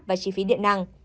và chi phí điện năng